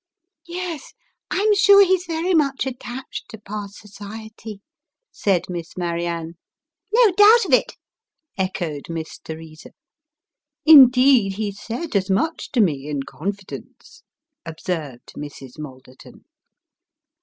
" Yes, I'm sure he's very much attached to pa's society," said Miss Marianne. " No doubt of it," echoed Miss Teresa. " Indeed, he said as much to me in confidence," observed Mrs. Malderton.